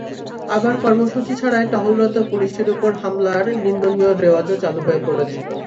আবার কর্মসূচি ছাড়াই টহলরত পুলিশের ওপর হামলার নিন্দনীয় রেওয়াজও চালু হয়ে পড়েছিল।